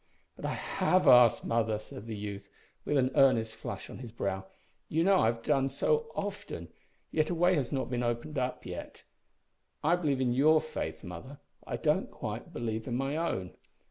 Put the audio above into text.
"But I have asked, mother," said the youth, with an earnest flush on his brow. "You know I have done so often, yet a way has not been opened up. I believe in your faith, mother, but I don't quite believe in my own.